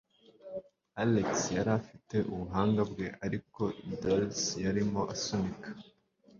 Alex yari afite ubuhanga bwe, ariko Dulce yarimo asunika.